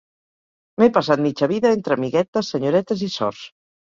M'he passat mitja vida entre amiguetes, senyoretes i sors.